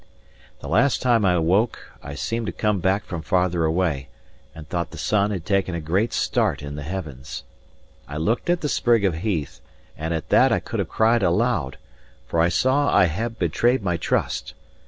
The last time I woke I seemed to come back from farther away, and thought the sun had taken a great start in the heavens. I looked at the sprig of heath, and at that I could have cried aloud: for I saw I had betrayed my trust.